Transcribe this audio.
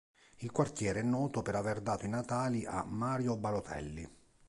Il quartiere è noto per aver dato i natali a Mario Balotelli.